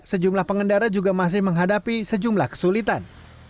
sejumlah pengendara juga masih menghadapi sejumlah kesulitan